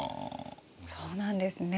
そうなんですね。